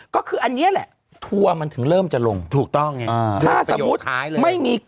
ก็คืออันนี้แหละทัวร์มันถึงเริ่มจะลงถูกต้องไงอ่าถ้าสมมุติไม่มี